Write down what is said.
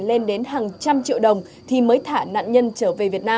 lên đến hàng trăm triệu đồng thì mới thả nạn nhân trở về việt nam